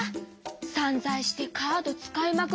散ざいしてカード使いまくり。